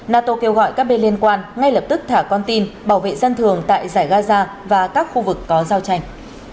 nato kêu gọi các bên liên quan ngay lập tức thả con tin bảo vệ dân thường tại giải gaza và các khu vực có giao tranh